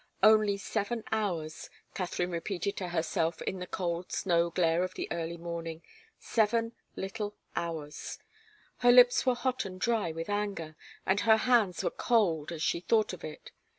Only seven hours, Katharine repeated to herself in the cold snow glare of the early morning seven little hours; her lips were hot and dry with anger, and her hands were cold, as she thought of it.